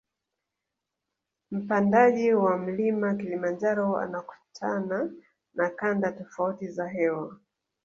Mpandaji wa mlima kilimanjaro anakutana na kanda tofauti za hewa